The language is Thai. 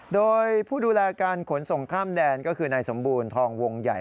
โดยผู้ดูแลการขนส่งข้ามแดนก็คือนายสมบูรณ์ทองวงใหญ่